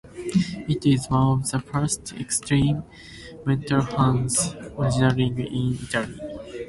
It is one of the first extreme metal bands originating in Italy.